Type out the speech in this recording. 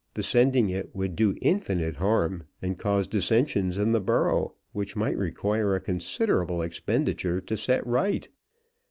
The sending it would do infinite harm, and cause dissensions in the borough, which might require a considerable expenditure to set right.